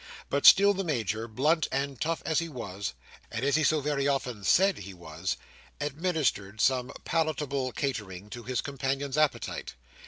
But still the Major, blunt and tough as he was, and as he so very often said he was, administered some palatable catering to his companion's appetite.